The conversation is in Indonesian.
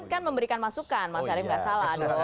kan memberikan masukan mas arya tidak salah